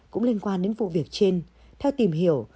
cũng liên quan đến vụ việc trên theo tìm hiểu